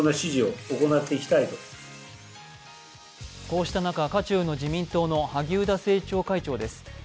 こうした中渦中の自民党の萩生田政調会長です。